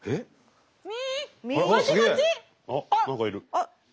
あっ！